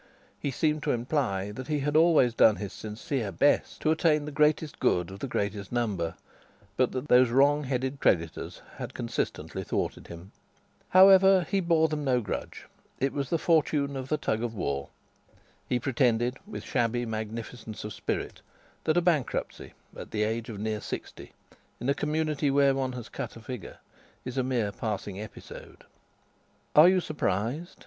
He seemed to imply that he had always done his sincere best to attain the greatest good of the greatest number, but that those wrong headed creditors had consistently thwarted him. However, he bore them no grudge. It was the fortune of the tug of war. He pretended, with shabby magnificence of spirit, that a bankruptcy at the age of near sixty, in a community where one has cut a figure, is a mere passing episode. "Are you surprised?"